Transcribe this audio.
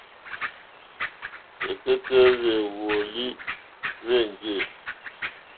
Rzɛ̀kɛ́tɛ́ hwèwɔ́lì hwéŋɡê.